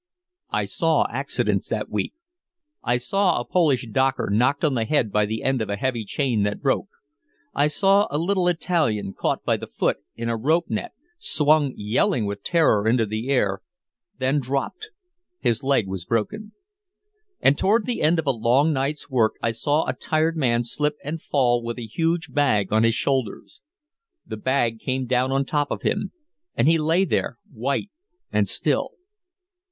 I saw accidents that week. I saw a Polish docker knocked on the head by the end of a heavy chain that broke. I saw a little Italian caught by the foot in a rope net, swung yelling with terror into the air, then dropped his leg was broken. And toward the end of a long night's work I saw a tired man slip and fall with a huge bag on his shoulders. The bag came down on top of him, and he lay there white and still.